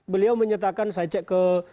beliau menyatakan saya cek ke